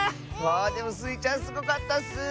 あでもスイちゃんすごかったッス！